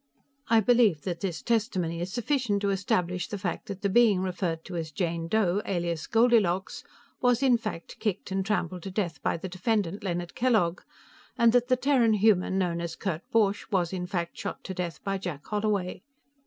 "I believe that this testimony is sufficient to establish the fact that the being referred to as Jane Doe alias Goldilocks was in fact kicked and trampled to death by the defendant Leonard Kellogg, and that the Terran human known as Kurt Borch was in fact shot to death by Jack Holloway.